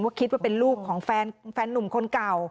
คิดว่าเป็นลูกของแฟนหนุ่มคนเก่า